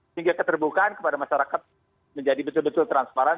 sehingga keterbukaan kepada masyarakat menjadi betul betul transparan